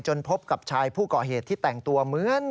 พบกับชายผู้ก่อเหตุที่แต่งตัวเหมือน